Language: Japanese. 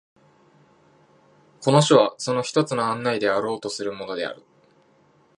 この書はその一つの案内であろうとするものである。